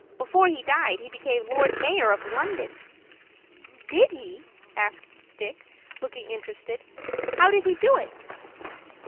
Before he died, he became Lord Mayor of London." "Did he?" asked Dick, looking interested. "How did he do it?"